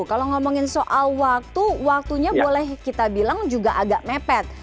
kalau ngomongin soal waktu waktunya boleh kita bilang juga agak mepet